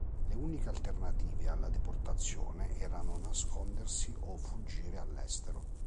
Le uniche alternative alla deportazione erano nascondersi o fuggire all'estero.